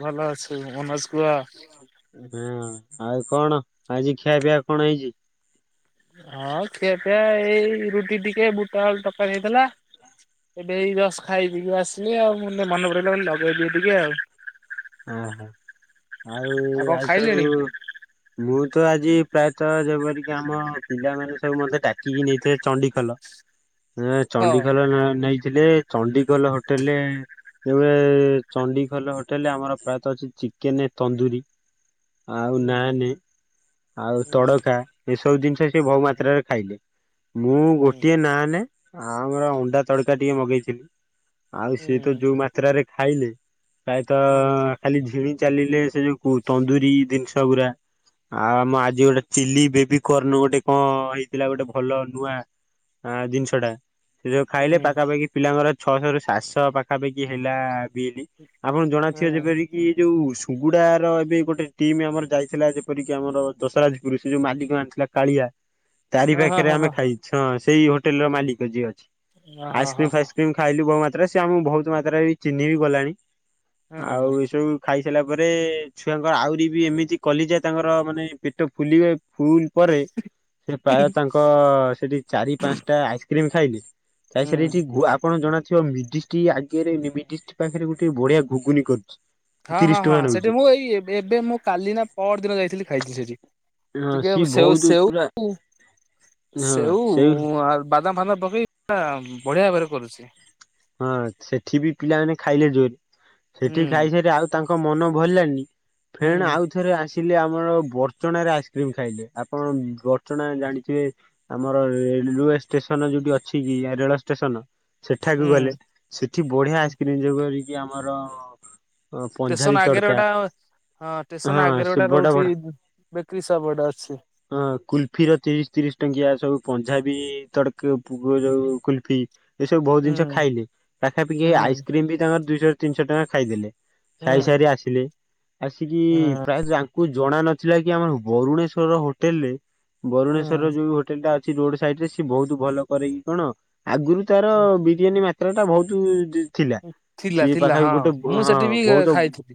ଭଲ ଅଛୁ ମନୋଜ କୁହ। ହଁ ଆଉ କଣ ଆଜି ଖିଆ ପିଆ କଣ ହେଇଛି? ହଁ ଖିଆ ପିଆ ଏଇ ରୁଟି ଟିକେ ବୁଟ ଆଳୁ ତରକାରୀ ହେଇଥିଲା। ଏବେ ଏଇ ଜସ୍ଟ ଖାଇ ପି ଆସିଲି ଆଉ ମୁଁନ ମନେ ପଡି ଗଲା ବୁଲି ଲଗେଇ ଦିଏ ଟିକେ ଆଉ। ଅହୋ ଆଉ କଣ ଆଜି ସବୁ ଖାଇଲେଣି? ବୁ ତ ଆଜି ପ୍ରାୟତଃ ଯେପରିକି ଆମ ପିଲାମାନେ ସବୁ ମତେ ଡାକିକି ନେଇଥିଲେ ଚଣ୍ଡି ଖୋଲ। ଏ ହଁ ଚଣ୍ଡିଖୋଲ ନନା ନେଇଥିଲେ। ଚଣ୍ଡିଖୋଲ ହୋଟେଲେ ଏବେ ଚଣ୍ଡିଖୋଲ ହୋଟେଲ ରେ ଆମର ପ୍ରାୟତ ଅଛି ଚିକେନ, ତନ୍ଦୁରୀ ଆଉ ହୁଁ ନାନେ ଆଉ ହୁଁ ତଡକା, ଏସବୁ ଜିନିଷ ସିଏ ବହୁ ହୁଁ ମାତ୍ରାରେ ଖାଇଲେ। ମୁଁ ହୁଁ ଗୋଟିଏ ନାନେ, ଆଉ ମର ଅଣ୍ଡା ତଡକା ଟିକେ ମଗେଇଥିଲି। ଆଉ ସିଏ ତ ହୁଁ। ଯୋଉ ମାତ୍ରାରେ ଖାଇଲେ, ପ୍ରାୟତ ହୁଁ ଖାଲି ଝିଣି ଚାଲିଲେ, ସେ ଯୋଉ ତନ୍ଦୁରୀ ଜିନିଷ ଗୁରା ଆଉ, ଆମ ଆଜି ଗୋଟେ ଚିଲି ବେବିକର୍ନ ଗୋଟେ କଣ ହେଇଥିଲା, ଗୋଟେ ଭଲ ନୂଆ ହଁ ଜିନିଷ ଟା। ସେ ଯୋଉୁ ଖାଇଲେ, ହୁଁ ପାଖା ପାଖି ପିଲାଙ୍କର, ଛଅଶହ ରୁ ସାତଶହ ପାଖାପାଖି ହେଲା ବିଲ୍। ଆପଣଙ୍କୁ ଜଣାଥିବ ହୁଁ ଯେପରି ଏଇ ଯୋଉ ସୁୁଗୁଡାର ଏବେ ଗୋଟେ ଟିମ୍ ଆମର ଯାଇଥିଲା, ଯେପରିକି ଆମର ଦଶରଜପୁରସେ ଯୋଉ ମାଲିକ ମ ଥିଲା କାଳିଆ, ତାରି ହଁ ହଁ ପାଖରେ ହଁ ଆମେ ହଁ। ଖାଇଛୁ, ହଁ ସେଇ ହୋଟେଲ ର ମାଲିକ ଯିଏ ଅଛି। ଓ ହୋ ହୋ ଆଇସ୍କ୍ରିମ, ହୋ ଫାଇସ୍କ୍ରିମ ଖାଇଲୁ ବହୁତ ମାତ୍ରାରେ ।ସେ ଆମକୁ ବହୁତ ମାତ୍ରାରେ ବି ଚିହିଁ ବି ଗଲାଣି। ହୁଁ। ଆଉ ଏସବୁ ଖାଇସାରିଲା ପରେ, ଛୁଆଙ୍କର ଆହୁରି ବି ଏମିତି କଲିଜା ତାଙ୍କର, ମାନେ ପେଟ ଫୁଲିବ ଫୁଲ ପରେ, ସେ ପ୍ରାୟ ତାଙ୍କ ସେଠି ଚାରି, ପାଞ୍ଚଟା ଆଇସ୍କ୍ରିମ ଖାଇଲେ ଖାଇସାରି ଏଠି ଘୁଆ ଆପଣ ଜଣା ସେ ବା ମିଡିଷ୍ଟ୍ରି ଆଗରେ, ନୁମି୍ଦିଷ୍ଟ ପାଖରେ ଗୋଟେ ବଢିଆ ଗୁଗୁନି କରୁଛି। ହଁ, ତିରିଶ ହଁ, ହଁ ଟଙ୍କା ।ସେଠି ନଉଛି ମୁଁ ଏଇ ଏବେ, ମୁଁ କାଲି ନା ପହର ଦିନ ଯାଇଥିଲି ଖାଇଛି ସେଠି। ହଁ ଟିକେ ସିଏ ସେଉ ବହୁତ ସେଉ ପୁରା ହଁ ।ସେଉ ସେଇ ଆ ବାଦାମ ଫାଦାମ ପକେଇ ପୁରା-ବଢିଆ ଭାବରେ କରୁଛି। ହଁ ସେଠି ବି ପିଲାମାନେ ଖାଇଲେ ଜୋରେ। ସେଠି ହୁଁ। ଖାଇସାରି ଆଉ ତାଙ୍କ ମନ ଭରିଲାଣିି ଫେଣ ହୁଁ ଆଉଥରେ ଆସି ଥିଲି, ଆମର ବଡଚଣାରେ ଆଇସିକ୍ରାଇମ ଖାଇଲେ। ଆପଣ ବଡ଼ଚଣା ଜାଣିିଥିବେ ଆମର ରେଲୱେ ଷ୍ଟେସନ ଯୋଉଠି ଅଛି, କି ରେଳ ଷ୍ଟେସନ। ସେଠାକୁ ଗଲେ, ହୁଁ ସେଠି ବଢିଆ ଆଇସ୍କ୍ରିମ ଯୋଉ କରିକି ଆମର ପଞ୍ଜାବୀ ଷ୍ଟେସନ ଆଗରେ, ତଡକା ଗୋଟା ହଁ, ଷ୍ଟେସନ ହଁ ଆଗରେ ସେ ଗୋଟା ବଡ ରହୁଛି। ବଡ ବେକରୀ ସପ୍ ଗୋଟେ ଅଛି ହଁ, କୁଲଫି ର ତିରିଶ, ତିରିଶ ଟଙ୍କିଆ ସବୁ ପହଞ୍ଚି ତଥାପି ବିି ତଡକ, ଯୋଉ କୁଲଫି ଏସବୁ ବହୁତ ଜିନିଷ ହୁଁ ଖାଇଲେ ।ପାଖା ପାଖି ହୁଁ ଆଇସ୍କ୍ରିମ୍ ବି ତାଙ୍କର ଦୁଇଶହ ତିନିଶହ ଟଙ୍କାର ଖାଇଦେଲେ। ହୁଁ ଖାଇ ସାରି ଆସିଲେ। ଆସିକି ହଁ ପ୍ରାୟ, ତାଙ୍କୁ ଜଣା ନଥିଲା କି, ଆମର ବରୁଣେଶ୍ଵର ହୋଟେଲ ରେ ବରୁଣେଶ୍ଵର ର ଯୋଉ ହୋଟେଲ ଟା ଅଛି, ରୋଡ ସାଇଡ ରେ, ସିଏ ବହୁତ ଭଲ କରେ କିି କଣ ଆଗରୁ ତାର ହୁଁ ବିରିୟାନୀ ମାତ୍ରା ଟା ବୋହୁତ୍ ଥିଲା ଥିଲା ।ସିଏ ଥିଲା ପାଖାପାଖି ଗୋଟେ, ମୁଁ ହଁ ସେଠି ବି ବହୁତ ଖାଇଥିଲି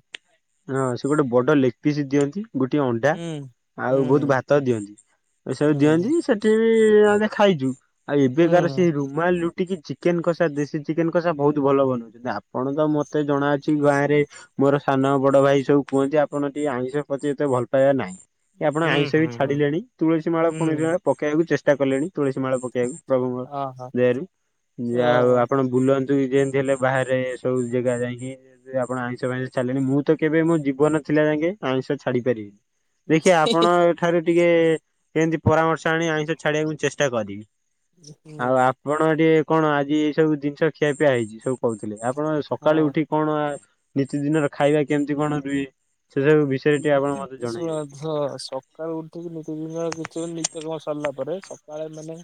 ହଁ ସେ ଗୋଟେ ବଡ ଲେଗ ପିସ୍ ଦିଅନ୍ତି। ଗୋଟିଏ ଅଣ୍ଡା, ହୁଁ ଆଉ ହୁଁ ବହୁତ ଭାତ ଦିଅନ୍ତି ।ଏସବୁ ଦିଅନ୍ତି ହୁଁ ସେଠି। ସେଇଠି ଆମେ ଖାଇଛୁ। ଆଉ ଏବେ ହୁଁ କାର ସେ ରୁମାଲ ରୁଟି କି ଚି ଚିକେନ କଷା, ଦେଶୀ ଚିକେନ କଷା, ବହୁତ ଭଲ ବନାଉଛନ୍ତି ।ଆପଣ ତ ମୋତେ ଜଣାଅ ଛି, ଗାଁ ରେ ମୋର ସାନ, ବଡ ଭାଇ ସବୁ କୁହନ୍ତି, ଆପଣ ଟିକେ ଆଇଁଷ ପ୍ରତି ଏତେ ଭଲ ପାଇବା ନାହିଁ। ଏ ଆପଣ ହୁଁ ଆଇଁଷ ବି ହୁଁ ଛାଡିଲେଣି ।ତୁଳସୀ ମାଳ, ହୁଁ ଫୁଳସି ମାଳ ପକେଇବାକୁ ଚେଷ୍ଟା କଲେଣି। ତୁଳସୀ ମାଳ ପକେଇବାକୁ, ପ୍ରଭୁଙ୍କ ଓହୋ ଦେହରୁ ଯାହା ହୋଉ ଓହୋ ଆପଣ ବୁଲ ନ୍ତୁ, ଯେମିତି ହେଲେ ବାହାରେ ଏ ସବୁ ଜାଗା ଯାଇକି ଆପଣ ଆଇଁଷ, ଫାଇଁସ ଛାଡିଲେଣି। ମୁଁ ତ କେବେ ମୋ ଜୀବନ ଥିଲା ଯାକେ, ଆମିଷ ଛାଡି ପାରିବିନି। ଦେଖିବେ ଆପଣ ଏ ଠାରୁ ଟିକେ, କେମତି ପରାମର୍ଶ ଆଣି ଆଇଁଷ ଛାଡିବାକୁ ଚେଷ୍ଟା କରିବି । ଆଉ ଆପଣ ଟିକେ କଣ? ଆଜି ଏଇ ସବୁ ଜିନିଷ ଖିଆପିଆ ହେଇଛି ସବୁ? କହୁଥିଲେ ଆପଣ ସକାଳେ ହଁ ଉଠି କଣ? ଦି, ନିତି ଦିନର ଖାଇବା କେମିତି କଣ ବି ଶଳା ତ, ସକାଳୁ ଉଠିକି ନିତି ଦିନର- ନିତ୍ୟକର୍ମ ସରିଲା ପରେ, ସକାଳେ ମାନେ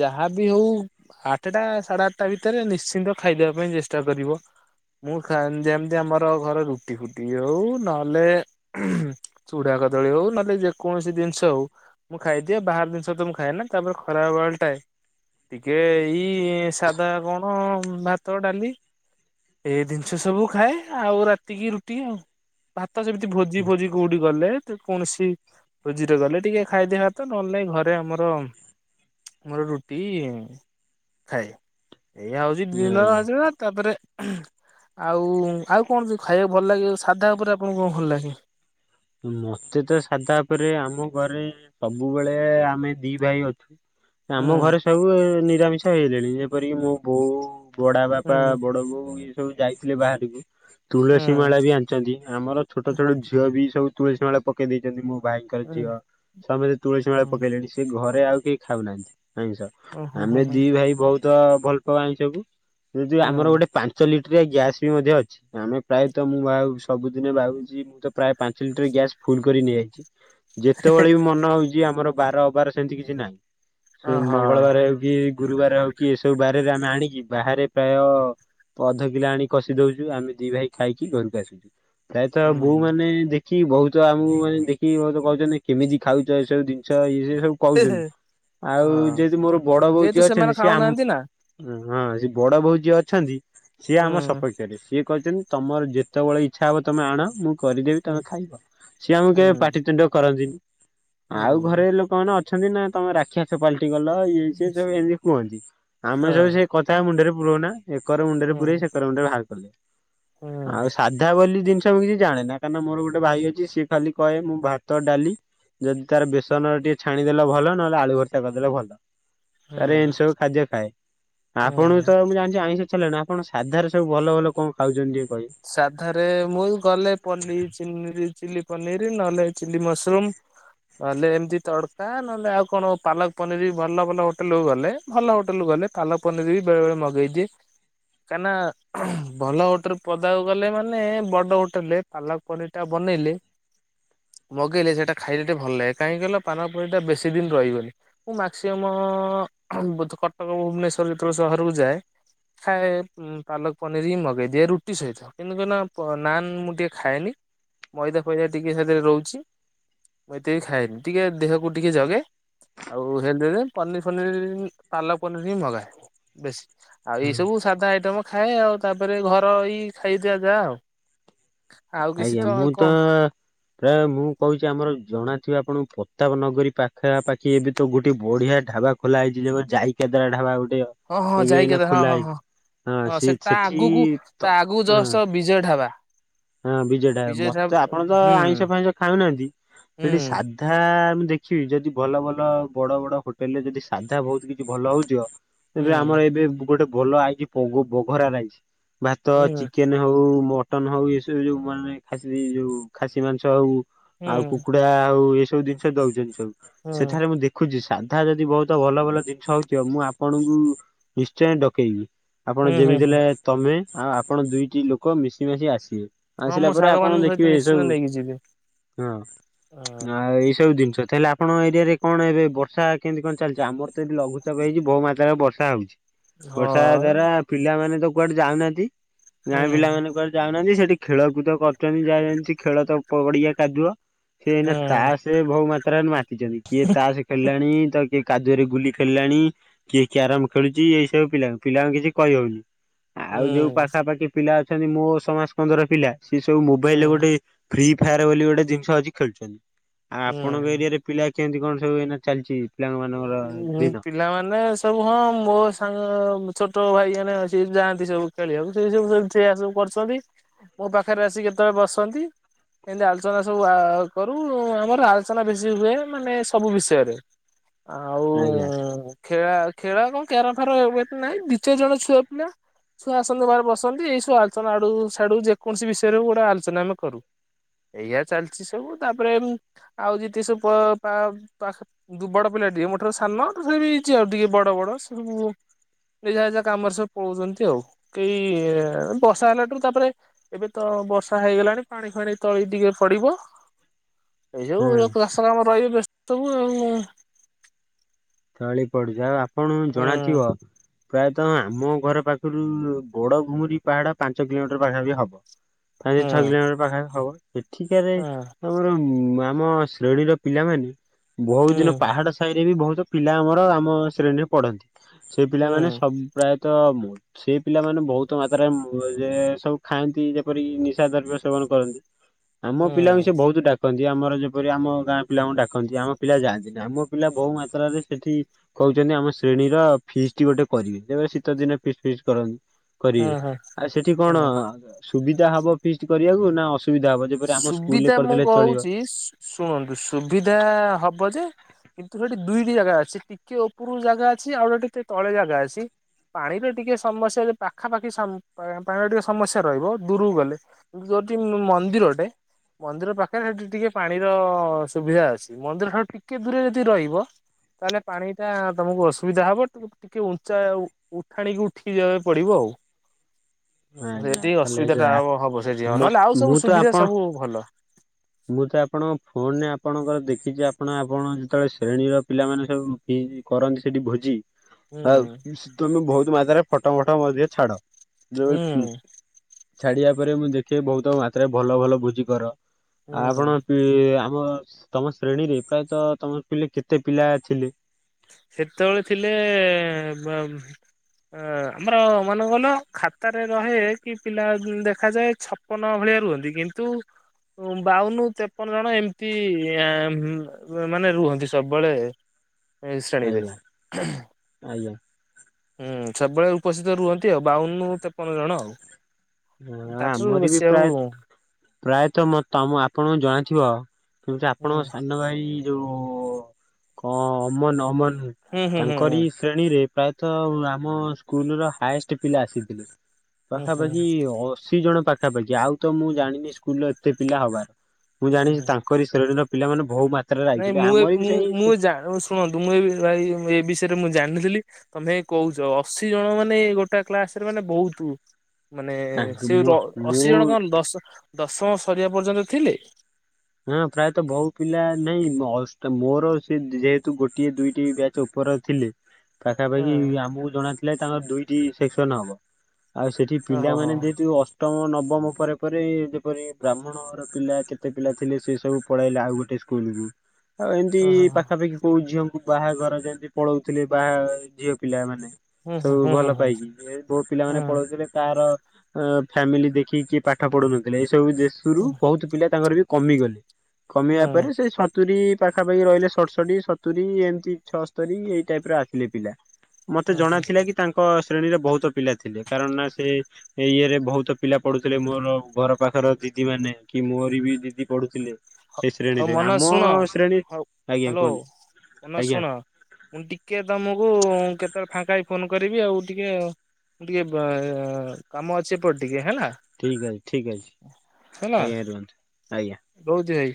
ଯାହାବି ହଉ ଆଠଟା ସାଢେ ଆଠଟା ଭିତରେ ନିଶ୍ଚିନ୍ତ ଖାଇଦବା ପାଇଁ ଚେଷ୍ଟା କରିବ ମୁଁ ଯେମିତି ଆମର ଘରେ ରୁଟି ଫୁଟି ହଉ ନହ ନଲେ ଚୁଢା କଦଳୀ ହଉ ନହେଲେ ଯେକୌଣସି ଜିନିଷ ହଉ ମୁଁ ଖାଇଦିଏ ବାହାର ଜିନିଷ ତ ମୁଁ ଖାଏନା ତାପରେ ଖରା ବେଳାଟାରେ ଟିକେ ଏଇ ସାଧା କଣ ଭାତ ଡାଲି ଏଇ ଜିନିଷ ସବୁ ଖାଏ ଆଉ ରାତିକି ରୁଟି ଆଉ ତ ଯେମିତି ଭୋଜି ଫୋଜି କୋଉଠି ଗଲେ କୌଣସି ଭୋଜିର ଗଲେ ଟିକେ ଖାଇଦିଏ ଭାତ ନହେଲେ ଘରେ ଆମର ମୋର ରୁଟି ଖାଏ ଏଇୟା ହଉଛି ଦିନର ଆଜ୍ଞା ଆସ ତାପରେ ଆଉ ଆଉ କଣ ସ ଖାଇବାକୁ ଭଲ ଲାଗେ, ସାଧା ଉପରେ ଆପଣଙ୍କୁ କଣ ଭଲ ଲାଗେ? ମତେ ତ ସାଧା ଉପରେ ଆମ ଘରେ ସବୁବେଳେ ଆମେ ଦି ଭାଇ ଅଛୁ ହୁଁ ଆମ ଘରେ ସବୁ ନିରାମିଷ ହେଇଲେଣି ଯେପରିକି ମୋ ବୋଉ ବଡ଼ା ବାପା ହୁଁ ବଡ ବୋଉ ଏ ସବୁ ଯାଇଥିଲେ ବାହାରକୁ ହୁଁ ତୁଳସୀ ମାଳା ବି ଆଣିଛନ୍ତି ଆମର ଛୋଟ ଛୋଟ ଝିଅ ବି ସବୁ ତୁଳସୀ ମାଳା ପକେଇ ଦେଇଛନ୍ତି ମୁଁ ଭାଇଙ୍କର ହୁଁ। ଝିଅ ସମସ୍ତେ ତୁଳସୀ ମାଳ ପକେଇଲେଣି ସି ଘରେ ଆଉ କେହି ଖାଉନାହାନ୍ତି ଆଇଁଷ ଓ ହୋ ହୋ ଆମେ ହୋ ଦି ଭାଇ ବହୁତ ଭଲ ପାଉ ଆଇଁଷକୁ ଯୁ ଆମର ହୁଁ ଗୋଟେ ପାଞ୍ଚ ଲିଟର ଗ୍ୟାସ୍ ବି ମଧ୍ୟ ଅଛି ଆମେ ପ୍ରାୟତ ମୁଁ ଭ ସବୁଦିନେ ଭାବୁଛି ମୁଁ ତ ପ୍ରାୟ ପାଞ୍ଚ ସିଲଣ୍ଡରରେ ଗ୍ୟାସ୍ ଫୁଲ କରି ନେଇଆଇଛି। ଯେତେବେଳେ ବି ମନ ହଉଛି ଆମର ବାର ଅବାର ସେମିତି କିଛି ନାହିଁ ସେ ଓହୋ ମଙ୍ଗଳବାର ହେଉ କି ଗୁରୁବାର ହେଉ କି ଏସବୁ ବାରରେ ଆମେ ଆଣିକି ବାହାରେ ପ୍ରାୟ ଅଧ କିଲୋ ଆଣି କଷି ଦଉଛୁ ଆମେ ଦି ଭାଇ ଖାଇକି ଘରକୁ ଆସୁଛୁ ପ୍ରାୟତ ବୋଉ ହୁଁ। ମାନେ ଦେଖ ଦେଖି ବହୁତ ଆମକୁ ମାନେ ଦେଖି ବହୁତ କହୁଛ କେମିତି ଖାଉଛ ଏସବୁ ଜିନିଷ ଇଏ ସିଏ ସବୁ କହୁଛନ୍ତି ଆଉ ହଁ ଯେହେତୁ ମୋର ବଡ ବୋଉ ଯେହେତୁ ଯିଏ ସେମାନେ ଅଛନ୍ତି ସିଏ ଆମ ଖାଉନାହାନ୍ତି ନା ହଁ ସେ ବଡ଼ ବୋଉ ଯିଏ ଅଛନ୍ତି ସିଏ ଆମ ହୁଁ ସପକ୍ଷରେ ସିଏ କହିଛନ୍ତି ତମର ଯେତେବେଳେ ଇଚ୍ଛା ହବ ତମେ ଆଣ ମୁଁ କରିଦବ ହୁଁ ତମେ ଖାଇବ ସିଏ ଆମକୁ କେବେ ହୁଁ। ପାଟିତୁଣ୍ଡ କରନ୍ତିନି ଆଉ ଘରେ ହୁଁ ଲୋକମାନେ ଅ ଅଛନ୍ତି ନା ତମେ ରାକ୍ଷାସ ପାଲଟି ଗଲ ଇଏ ସଏ ସବୁ ଏମିତି କୁହନ୍ତି ଆମେ ଯଦି ହଁ ସେ କଥା ମୁଣ୍ଡରେ ରହୁ ନା ଏକର ମୁଣ୍ଡରେ ହୁଁ ପୁର ଏକର ମୁଣ୍ଡ ରେ ବାହାର କରିଦେ ହୁଁ ଆଉ ସାଧା ବୋଲି ଜିନିଷ କିଛି ଜାଣେ କାହିଁକନା ମୋର ଗୋଟେ ଭାଇ ଅଛି ସିଏ ଖାଲି କହେ ମୁଁ ଭାତ ଡାଲି ଯଦି ତାର ବେସନ ଟିକେ ଛାଣିଦେଲେ ଭଲ ନହେଲେ ଆଳୁ ଭର୍ତ୍ତା କରିଦେଲେ ଭଲ ହୁଁ ଆରେ ଏମିତି ସବୁ ଖାଦ୍ୟ ଖାଏ ଆପଣ ତ ହୁଁ। ମୁଁ ଜାଣିଛି ଆଇଁଷ ଛା କପଣ ସାଧାରେ ସବୁ ଭଲ ଭଲ କଣ ଖାଉଛନ୍ତି? କହିବେ? ସାଧରେ ମୁଁ ଗଲେ ପଲି ଚି ଚିଲ୍ଲଲି ପନୀର୍ ନହେଲେ ଚିଲ୍ଲଲି ମଶ୍ରୁମ୍ ନହେଲେ ଏମିତି ତଡକା ନହେଲେ ଆଉ କଣ ପାଲକ ପନିର ଭଲ ଭଲ ହୋଟେଲ କୁ ଗଲେ ଭଲ ହୋଟେଲୁ ଗଲେ ପାଲକ୍ ପନିର ବି ବେଳେ ବଳେ ମଗେଇଦିଏ କାହିଁକି ନା ଭଲ ହୋଟ ପଦାକୁ ଗଲେ ମାନେ ବଡ ହୋଟେଲରେ ପାଲାକ୍ ପନି ଟା ବନେଇଲେ ମଗେଇଲେ ସେଇଟା ଖାଇଲେ ଟେ ଭଲ ଲାଗେ କାହିଁକିନା ପାଲକ ପନିରଟା ବେଶୀ ଦିନ ରହଗନି ମୁଁ ମାକ୍ସିମମ୍ ବହୁ କଟକ ଭୁବନେଶ୍ୱର ଯେତେବେଳେ ସହରକୁ ଯାଏ। ଖାଇଏ ପାଲକ ପନିର ହଇ ମଗେଇ ଦିଏ ରୁଟି ଟି ସହିତ କିନ୍ତୁ କ ନାନ ମୁଁ ଟିକେ ଖାଏନି ମଇଦା ଫଇଦା ଟିକେ ସେଥିରେ ରହୁଛି ମୁଇ ଏତେ ବି ଖାଏନି ଟିକେ ଦେହକୁ ଟିକେ ଜଗେ ଆଉ ହେ ପନିର ଫନିର ପାଲକ ପନିର ହିଁ ମଗାଏ ବେଶୀ ଆଉ ଏଇ ସବୁ ସାଧା ଆଇଟମ ଖାଏ ଆଉ ତାପରେ ଘର ଏଇ ଖାଇ ଦିଆଯା ଆଉ ଆଉ କିଛି ଆଜ୍ଞା ମୁଁ ଆଉ ତ କଣ ପ୍ରାୟ ମୁଁ କହୁଛି ଆମର ଜଣା ଥିବା ଆପଣଙ୍କ ପତାପ ନଗରୀ ପାଖାପାଖି ଏବେ ତ ଗୋଟେ ବଢିଆ ଢାବା ଖୋଲା ହେଇଛି ଯେ ଯାଇକଦରା ଢ଼ାବା ଗୋଟେ ହଁ ହଁ ଏବେ ଯାଇ ଏଇନା କେବେ ହଁ ଖୋଲା ହଁ ହେଇଛି ହଁ ହଁ ସେ ତା ସେଠି ଆଗକୁ ତା ଆଗକୁ ହ। ଜଷ୍ଟ ବିଜୟ ଢାବା ହଁ ବିଜେଟା ବିଜୟ ମତେ ଢାବା ଆପଣ ତ ହୁଁ ଆଇଁଷ ଫାଇଁଷ ଖାଉନାହାନ୍ତି ହୁଁ ସେଠି ସାଧା ଆ ମୁ ଦେଖିବି ଯଦି ଭଲ ଭଲ ବଡ଼ ବଡ଼ ହୋଟେଲ ରେ ଯଦି ସାଧା ବହୁତ କିଛି ଭଲ ହଉଥିବ। ଏବେ ହୁଁ ଆମର ଏବେ ଗୋଟେ ଭଲ ଆଇଛି ପଘ ବଘରା ରାଇସ। ଭାତ ହୁଁ ହୁଁ ଚିକେନ ହଉ ମଟନ ହଉ ଏସ ଯୋଉ ମାନେ ଖା ଯୋଉ ଖାସି ମାଂସ ହଉ ହୁଁ ଆଉ କୁକୁଡା ହଉ ଏ ସବୁ ସବୁ ଜିନିଷ ଦଉଛନ୍ତି ସବୁ ହୁଁ ସେଠାରେ ମୁଁ ଦେଖୁଛି ସାଧା ଯଦି ବହୁତ ଭଲ ଭଲ ଜିନିଷ ହଉ ମୁଁ ଆପଣଙ୍କୁ ନିଶ୍ଚୟ ଡକେଇବି ଆପଣ ହୁଁ ଯେମିତି ହୁଁ ହେଲେ ତମେ ଆଉ ଆପଣ ଦୁଇଟି ଲୋକ ମିଶି ମାଶି ଆସିବେ। ହଁ ଆସିଲା ମୋ ପରେ ସାଙ୍ଗ ଆପଣ ମାନଙ୍କ ସହିତ ଦେଖିବେ ଏ ନିଶ୍ଚିନ୍ତ ସବୁ ନେଇକି ଯିବି। ହଁ ହଁ ଆଉ ଏ ସବୁ ଜିନିଷ ତାହେଲେ ଆପଣ ଏରିଆରେ କଣ ଏବେ ବର୍ଷା କେମିତି କଣ ଚାଲିଛି ଆମର ତ ଏଦି ଲଘୁଚପ ହେଇଛି ବହୁ ମାତ୍ରାରେ ବର୍ଷା ହେଉଛି। ବର୍ଷା ହଁ ଦ୍ଵାରା ପିଲାମାନୋନେ ତ କୁଆଡେ ଯାଉନାହାନ୍ତି ହୁଁ ଗାଁ ପିଲାମାନୋନେ କୁଆଡେ ଯାଉନାହାନ୍ତି ସେଠି ଖେଳକୁଦ କରୁଛନ୍ତି ଯାହା ଜେତି ଖେଳ ତ ପଡିଆ କାଦୁଅ ସେନା ତା ହୁଁ ସେ ବହୁ ମା ମାତ୍ରାରେ ମାତିଛନ୍ତି କିଏ ତାସ ଖେଳିଲାଣି ତ କିଏ କାଦୁଅରେ ଗୁଲି ଖେଳିଲାଣି କିଏ କ୍ୟାରମ ଖେଳୁଛି ଏଇସବୁ ପିଲା ପିଲାଙ୍କୁ କିଛି କହିହଉନି। ଆଉ ଯୋଉ ହୁଁ ପାଖାପାଖି ପିଲା ଅଛନ୍ତି ମୋ ସମାସ କାନ୍ଦର ପିଲା ସି ସବୁ ମୋବାଇଲରେ ହୁଁ ଗୋଟେ ଫ୍ରି ଫାୟାର ବୋଲି ଗୋଟେ ଜିନିଷ ଅଛି ଖେଳୁଛନ୍ତି ଆଉ ଆପଣଙ୍କ ହୁଁ। ଏରିଆରେ ପିଲା କେମିତି କଣ ସବୁ ଏନା ଚାଲିଛି? ପିଲା ମାନଙ୍କର ଦିନ? ପିଲାମାନେ ସବୁ ହଁ ମୋ ସାଙ୍ଗ ଛୋଟ ଭାଇ ମାନେ ଅ ସ ଯାଆନ୍ତି ସବୁ ଖେଳିବାକୁ ସେ ସବୁ ସ ସେଇଆ ସବୁ କରଛନ୍ତି। ମୋ ପାଖରେ ଆସିିକ କେତେବେଳେ ବସନ୍ତି। ଏମିତି ଆଲୋଚନା ସବୁ କରୁ ଆମର ଆଲୋଚନା ବେଶୀ ହୁଏ ମାନେ ସବୁ ବିଷୟରେ। ଆଉ ଆଜ୍ଞା। ଖେଳା ଖେଳା କଣ କ୍ୟାର ଫାର ହେ ନାଇଁ ଦିଇ ଚାରି ଜଣ ଛୁଆ ପିଲା। ଛୁ ଆସନ୍ତୁ ବରେ ବସନ୍ତି ଏଇସବୁ ଆଲୋଚନା ଆଡୁଛଡୁ ଯେକୌଣସି ବିଷୟରେ ହ ଗୋଟେ ଆଲୋଚନା ଆମେ କରୁ। ଏଇଆ ଚାଲିଛି ସବୁ ତାପରେ ଆଉ ଯେତି ସବୁ ପାଖ ଦୁବଡ ପିଲା ଟିକେ ମୋ ର ସାନ ବି ହେଇଛି ଆଉ ଟିକେ ବଡ ବଡ ସେ ସବୁ ଏ ଯା ଯା କାମରେ ସବୁ ପଳଉଛନ୍ତି ଆଉ କେଇ ବର୍ଷା ହେଲାଠୁ ତାପରେ ଏବେ ତ କଣ ବର୍ଷା ହେଇଗଲାଣି ପାଣି ଫୁଣି ତଳି ଟିକେ ପଡିବ। ଏଇ ହଁ ସବୁ ଚାଷ କାମ ରହିବେ ବ୍ୟସ୍ତ ସବୁ। ତଳି ପଡୁଛି ଆଉ ଆପଣ ହୁଁ ଜଣାଥିବ। ପ୍ରାୟତଃ ଆମ ଘର ପାଖରୁ ବୋଡ ଘୁମିରି ପାହାଡ ପାଞ୍ଚ କିଲୋମିଟର ପାଖାପି ହବ। ପାଞ୍ଚ ହୁଁ ଛଅ କିଲୋମିଟର ପାଖା ହବ ଏଠିକ ସେ ହୁଁ ଆମର ମା ଆମ ଶ୍ରେଣୀର ପିଲାମାନେେ ବହୁତ ହୁଁ ଦିନ ପାହାଡ ସାହି ରେ ବି ବହୁତ। ପିଲା ଆମର ଆମ ଶ୍ରେଣୀରେ ପଢ଼ନ୍ତି ସେ ହୁଁ ପିଲାମାନେ ସବୁ ପ୍ରାୟ ତ ସେ ପିଲାମାନୋନ ବହୁତ ମାତ୍ରାରେ ଯେ ସବୁ ଖାଆନ୍ତି ଯେପରିକି ନିଶା ଦ୍ରବ୍ୟ ସେବନ କରନ୍ତି ଆମ ହୁଁ ପିଲାଙ୍କୁ ସେ ବହୁତ ଡାକନ୍ତି। ଯିଏ ଆମର ଯେପରି ଆମ ଗାଁ ପିଲାଙ୍କୁ ଡାକନ୍ତି ଆମ ପିଲା ଯାଆନ୍ତି ନା ଆମ ପିଲା ବହୁ ମାତ୍ରାରେ ସେଠି କହୁଛନ୍ତି ଆମ ଶ୍ରେଣୀର ଫିସ୍ ଟି ଗୋଟେ କରିବେ ଯେବେ ଶୀତ ଦିନେ ଫିସ୍ ଫିସ୍ କରନ୍ତି। ହୁଁ କରିବେ ହୁଁ ଆଉ ସେଠି କଣ ହୁଁ। ସୁବିଧା ହବ ପି କରିବାକୁ ନା ଅସ ସୁବିଧା ମୁଁ କହୁଛି ଶୁଣନ୍ତୁ ସୁବିଧା ହବ ଯେ କିନ୍ତୁ ସେଠି ଦୁଇଟି ଜାଗା ଅଛି ଟିକେ ଉପର ଜାଗା ଅଛି ଆଉ ଟିକେ ତଳେ ଜାଗା ଅଛି। ପାଣିର ଟିକେ ସମସଯ ପାଖାପାଖି ପାଣିର ଟିକେ ସମସ୍ୟା ରହିବ ଦୂରକୁ ଗଲେ କିନ୍ତ ଗ ମନ୍ଦିରଟେ। ମନ୍ଦିର ପାଖରେ ସେଠି ଟିକେ ପାଣିର ସୁବିଧା ଅଛି ମନ୍ଦିର ଠାରୁ ଟିକେ ଦୂରେ ଯଦି ରହିବ ତାହେଲେ ପାଣି ଟା ତମକୁ ଅସୁବିଧା ହବ ଟିକେ ଉଞ୍ଚା ଉଠାଣିକି ଉଠିକି ଯିବାକୁ ପଡିବ। ହଉ। ଆଜ୍ଞା ତାଲେ ଏ ହବ ସେଠି ଯ ନହେଲେ ଆଉ ସବୁ ମୁଁ ତ ସୁବିଧା ଆପଣ ସବୁ ଭଲ ମୁଁ ତ ଆପଣଙ୍କ ଫୋନରେ ଆପଣଙ୍କର ଦେଖିଛି ଆପଣ ଆପଣ ଯେତେବେଳେ ଶ୍ରେଣୀର ପିଲାମାନେ ସବୁି କରନ୍ତି ସେଠି ଭୋଜି। ଆ ହୁଁ। ତମେ ବହୁତ ମାତ୍ରାରେ ଫଟ ମଟ ମଧ୍ୟ ଛାଡ। ଯେ ହୁଁ ଛାଡିବା ପରେ ମୁଁ ଦେଖେ ବହୁତ ମାତ୍ରାରେ ଭଲ ଭଲ ଭୋଜି କର ହୁଁ ଆପଣ ତ ତମ ଶ୍ରେଣୀରେ ପ୍ରାୟତଃ ତମ ପିଲେ କେତେ ପିଲା ଥିଲେ? ସେତେବେଳେ ଥିଲେ ଅ ଆମର ମନେ ଗଲ ଖାତାରେ ରହେ କି ପିଲା ଦେଖାଯାଏ ଛପନ ଭଳି ରୁହନ୍ତି କିନ୍ତୁ ବାଉନ ତେପନ ଜଣ ଏମିତି ମାନେ ରୁହନ୍ତି ସବୁବେଳେ ହ ମିଶ୍ରଣରେ ଆଜ୍ଞା ହୁଁ। ଆଜ୍ଞା ସବୁବେଳେ ଉପସ୍ଥିତ ରୁହନ୍ତି ଆଉ ବାଉନ ତେପନ ଜଣ ଆଉ। ହ ତାଠାରୁ ଆମର ବି ବେଶୀ ଆଉ ପ୍ରାୟ ପ୍ରାୟତଃ ମ ତମ ଆପଣଙ୍କୁ ଜଣାଥିବ ହୁଁ ଆପଣଙ୍କ ସାନ ଭାଇ ଯୋଉ କ ଅମନ ଅମନ ହ ହୁଁ ହୁଁ ହୁଁ ତାଙ୍କର ଇ ଶ୍ରେଣୀରେ ପ୍ରାୟତ ତ ଆମ ସ୍କୁଲର ହାଇଏଷ୍ଟ ପିଲା ଆସିଥିଲେ ହୁଁ ହୁଁ ହ। ଅଶି ଜଣ ପାଖାପାଖି ଆଉ ତ ମୁଁ ଜାଣିନି ସ୍କୁଲର ଏତେ ପିଲା ହବାର ମୁଁ ହୁଁ ଜାଣିଛି ତାଙ୍କରି ଶରୀରୀର ପିଲାମାନେ ବହୁ ମ ନାଇଁ ମୁଁ ମୁ ମୁଁ ଶୁଣନ୍ତୁ ମୁଁ ଏ ଭାଇ ଏ ବିଷୟରେ ମୁଁ ଜାଣିଥିଲି ତମେ କହୁଛ ଅଶୀ ଜଣ ମାନେ ଗୋଟା କ୍ଲାସ ରେ ମାନେ ବହୁତ ମାନେ ତାଙ୍କ ସେ ମୁଁ ଅଶୀ ମୁଁ ଜଣ କଣ ଦଶ ଦଶ ସରିବା ପର୍ଯ୍ୟନ୍ତ ଥିଲେ ହଁ ପ୍ରାୟତଃ ବହୁ ପିଲା ନହିଁ ମୋର ସେ ଯେହେତୁ ଗୋଟିଏ ଦୁଇଟି ବ୍ୟାଚ ଉପରେ ଥିଲି ହଁ ପାଖାପାଖି ଆମକୁ ଜଣାଥିଲେ ତାଙ୍କର ଦୁଇଟି ସେକ୍ସନ ହବ ଆଉ ସେଠି ଓହୋ ହୋ ପିଲାମାନେ ଯେହେତୁ ଅ ଅଷ୍ଟମ ନବମ ପରେ ପରେ ଯେପରି ବ୍ରାହ୍ମଣର ପିଲା କେତେ ପିଲା ଥିଲେ ସେ ସବୁ ପଳେଇଲେ ଆଉ ଗୋଟେ ସ୍କୁଲକୁୁ ଆଉ ଏମିତି ଓ ହୋ ହୋ। ପାଖାପାଖି କହୁଝିଅ ବାହାଘର ଯେମତି ପଳଉଥିଲେ ବାହା ଝିଅ ପିଲା ମାନେ ହୁଁ ସବୁ ହୁଁ ଭଲ ହୁଁ ହୁଁ ପାଇକି ଏ ବୋଉ ପିଲାମାନେ ହୁଁ ପଳଉଥିଲେ ତାର ଅ ଫ୍ୟାମିଲି ଦେଖିକି କିଏ ପାଠ ପଢୁନଥିଲେ ଏଇ ସବୁ ଦେଶରୁୁ ହୁଁ ବହୁତ ପିଲା ତାଙ୍କର ବି କମିଗଲେ କମିବା ହୁଁ ପରେ ସେ ସତୁରୀ ପାଖାପାଖି ରହିଲେ ସଷଠି ସତୁୁରରି ଏମିତି ଛଅସ୍ତରୀ ଏଇ ଟାଇପ ର ଆଖିଲେ ପିଲା ମତେ ଜଣା ଓହୋ ଥିଲା କି ତାଙ୍କ ଶ୍ରେଣୀରେ ବହୁତ ପିଲା ଥିଲେ କାରଣ ନା ସେ ଇଏରେ ବହୁତ ପିଲା ପଢୁଥିଲେ ମୋର ଘର ପାଖର ଦିଦି ମାନେ କି ମୋର ବି ଦିଦି ପଢୁଥିଲେ ସେ ହଉ ଶ୍ରେଣୀରେ ମନ ଆମ ଶୁଣ ଶ୍ରେଣୀ ଆଜ୍ଞା ହ୍ୟାଲୋ! କୁହନ୍ତୁ କନ ଆଜ୍ଞା ଶୁଣ ମୁଣି ଟିକେ ତମକୁ କେତେବେଳେ ଫାଙ୍କା ଫୋନ କରିବି ଆଉ ଟିକେ ଟିକେ କାମ ଅଛେ ଉପ ଟିକେ ହେଲା ଠିକ ଅଛି ଠିକ ଅଛି ହେଲା ଆଜ୍ଞା ରୁହନ୍ତୁ ଆଜ୍ଞା। ଯାଇ